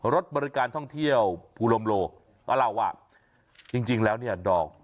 รถบริการท่องเที่ยวภูลมโลก็เล่าว่าจริงแล้วเนี่ยดอก